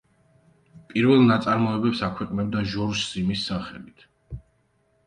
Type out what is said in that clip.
პირველ ნაწარმოებებს აქვეყნებდა ჟორჟ სიმის სახელით.